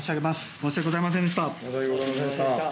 申し訳ございませんでした。